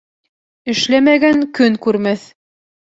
Эшләмәгән көн күрмәҫ.